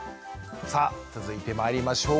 さあ続いてまいりましょうか。